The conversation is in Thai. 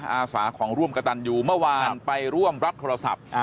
อาสาของร่วมกระตันอยู่เมื่อวานไปร่วมรับโทรศัพท์